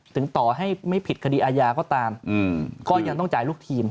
ต่อให้ไม่ผิดคดีอาญาก็ตามก็ยังต้องจ่ายลูกทีม